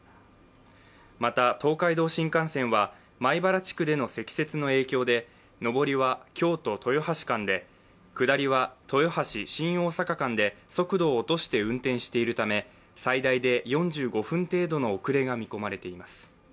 また、東海道新幹線は米原地区での積雪の影響で上りは京都−豊橋間で、下りは豊橋−新大阪間で速度を落として運転しているため最大で４５分程度の遅れが見込まれています。